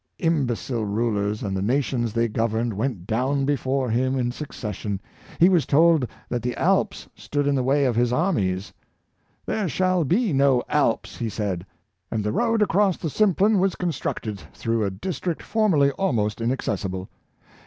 Imbe cile rulers and the nations they governed went down before him in succession. He was told that the Alps stood in the way of his armies —^' There shall be no Alps," he said, and the road across the Simplon was constructed, through a district formerly almost inac cessible.